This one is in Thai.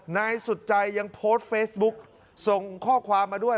นายสุดใจยังโพสต์เฟซบุ๊กส่งข้อความมาด้วย